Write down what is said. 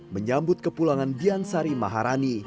menyambut ke pulangan diansari maharani